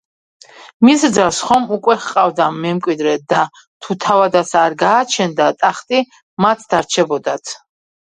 მის რძალს ხომ უკვე ჰყავდა მემკვიდრე და თუ თავადაც არ გააჩენდა ტახტი მათ დარჩებოდათ.